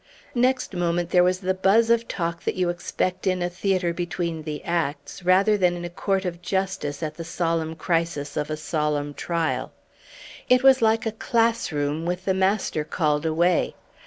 Next moment there was the buzz of talk that you expect in a theatre between the acts, rather than in a court of justice at the solemn crisis of a solemn trial. It was like a class room with the master called away.